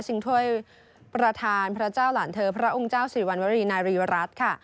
สิ่งท่วยประธานพระเจ้าหลานเธอพระอุงเจ้าสีรีวัลวะรีนายรีวรัสค่ะ